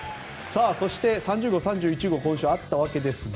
そして、３０号、３１号が今週はあったわけですが